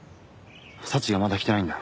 早智がまだ来てないんだ。